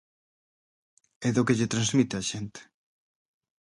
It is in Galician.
E do que lle transmite á xente.